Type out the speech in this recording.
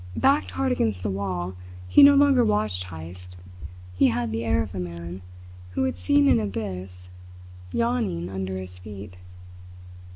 Backed hard against the wall he no longer watched Heyst. He had the air of a man who had seen an abyss yawning under his feet.